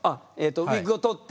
ウィッグを取って？